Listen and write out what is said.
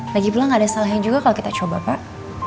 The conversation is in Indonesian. lagipula gak ada salahnya juga kalo kita coba pak